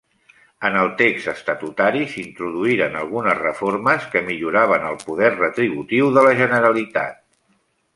En el text estatutari s'introduïren algunes reformes que milloraven el poder retributiu de la Generalitat.